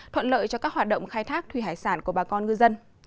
thuận lợi cho các hoạt động khai thác thủy hải sản của bà con ngư dân